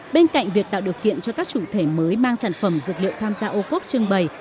bên cạnh việc tạo điều kiện cho các chủ thể mới mang sản phẩm dược liệu tham gia ô cốp trưng bày